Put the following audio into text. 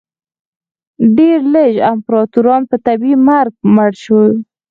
ډېر لږ امپراتوران په طبیعي مرګ مړه شول